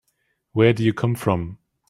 Where do you come from?